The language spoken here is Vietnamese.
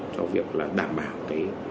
cho việc là đảm bảo cái